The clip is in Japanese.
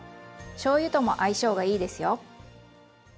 しょうゆとも相性がいいですよ。